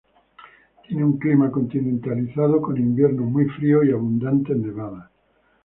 Tiene un clima continentalizado con inviernos muy fríos y abundantes nevadas.